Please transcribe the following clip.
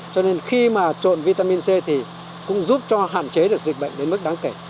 cho nên khi mà trộn vitamin c thì cũng giúp cho hạn chế được dịch bệnh đến mức đáng kể